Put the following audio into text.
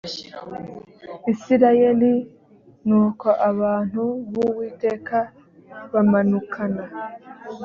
isirayeli nuko abantu b uwiteka bamanukana